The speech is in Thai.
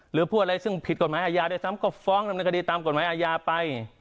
หรือผู้อแรงซึ่งผิดกฎหมายอายาด้วยซ้ำก็ฟ้องรำนาคดีใต้ตามกฎหมายอายาไป